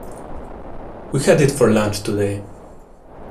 We had it for lunch today.